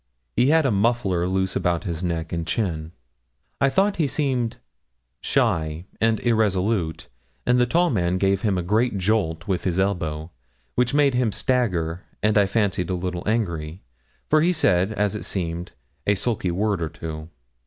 He had a muffler loose about his neck and chin. I thought he seemed shy and irresolute, and the tall man gave him a great jolt with his elbow, which made him stagger, and I fancied a little angry, for he said, as it seemed, a sulky word or two.